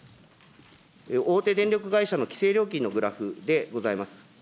大手電力会社の規制料金のグラフでございます。